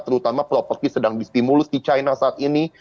terutama properti sedang di stimulus di china saat ini